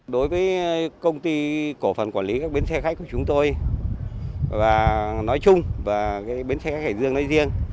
đối với công ty cổ phần quản lý các bến xe khách của chúng tôi và nói chung và bến xe khách hải dương nói riêng